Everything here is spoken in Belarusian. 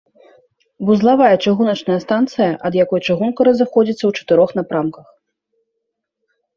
Вузлавая чыгуначная станцыя, ад якой чыгунка разыходзіцца ў чатырох напрамках.